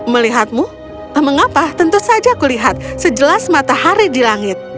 melihatmu mengapa tentu saja kulihat sejelas matahari di langit